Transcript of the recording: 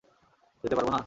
যেতে পারব না?